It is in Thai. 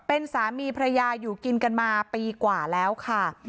เป็นสามีพระยาอยู่กินกันมาปีกว่าแล้วค่ะ